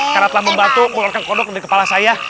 karena telah membantu mengeluarkan kodok dari kepala saya